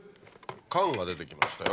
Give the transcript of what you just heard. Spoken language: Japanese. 缶が出てきましたよ。